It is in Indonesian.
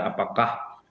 apakah sejajarnya ya